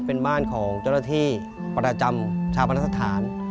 เป็นบ้านของเจ้าหน้าที่ประจำชาวพนักสถาน